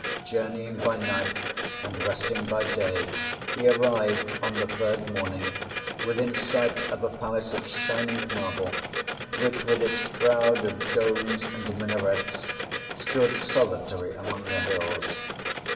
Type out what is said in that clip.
Journeying by night and resting by day, he arrived on the third morning within sight of a palace of shining marble which, with its crowd of domes and minarets, stood solitary among the hills.